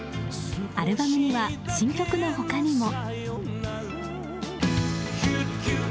アルバムには新曲の他にも。